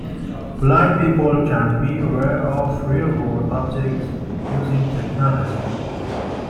Blind people can be aware of real world objects using technology.